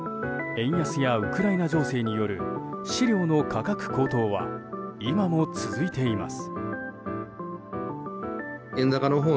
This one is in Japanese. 円安やウクライナ情勢による飼料の価格高騰は今も続いています。